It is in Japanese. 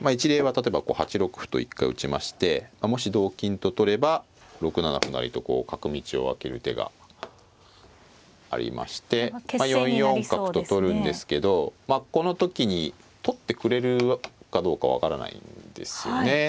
まあ一例は例えばこう８六歩と一回打ちましてもし同金と取れば６七歩成とこう角道を開ける手がありましてまあ４四角と取るんですけどこの時に取ってくれるかどうか分からないんですよね。